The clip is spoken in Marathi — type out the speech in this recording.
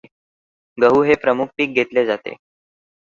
गहू हे प्रमुख पीक घेतले जाते.